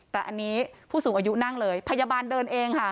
แต่อันนี้ผู้สูงอายุนั่งเลยพยาบาลเดินเองค่ะ